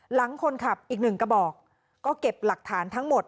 หลังคนขับอีกหนึ่งกระบอกก็เก็บหลักฐานทั้งหมด